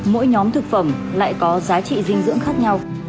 mỗi nhóm thực phẩm lại có giá trị dinh dưỡng khác nhau